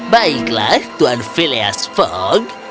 baiklah tuan phileas fogg